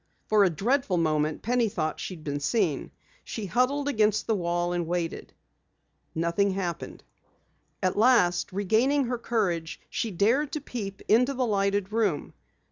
For a dreadful moment Penny thought that she had been seen. She huddled against the wall and waited. Nothing happened. At last, regaining her courage, she dared to peep into the lighted room.